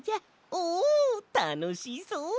おおたのしそう！